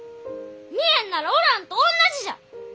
見えんならおらんとおんなじじゃ！